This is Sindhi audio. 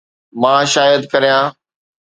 مان شايد ڪريان